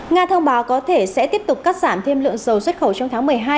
nga thông báo có thể sẽ tiếp tục cắt giảm thêm lượng dầu xuất khẩu trong tháng một mươi hai